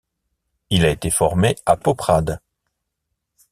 Il a été formé à Poprad.